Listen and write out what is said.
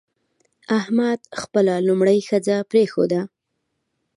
احمد خپله لومړۍ ښځه پرېښوده.